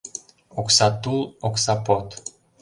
ОКСА ТУЛ, ОКСА ПОД